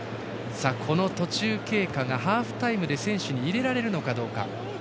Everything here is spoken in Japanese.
この途中経過がハーフタイムに選手の耳に入れられるのかどうか。